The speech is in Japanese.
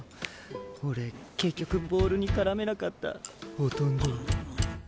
俺結局ボールに絡めなかったほとんど。